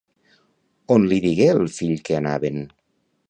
On li digué el fill que anaven?